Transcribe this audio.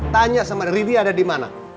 tanya sama riri ada dimana